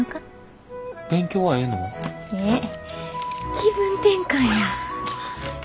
気分転換や。